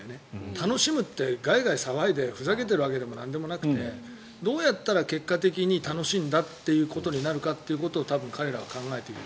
楽しむってガヤガヤ騒いでふざけているわけでもなんでもなくてどうやったら結果的に楽しいんだっていうことになるのかということを彼らは考えている。